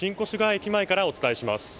駅前からお伝えします。